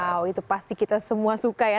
wow itu pasti kita semua suka ya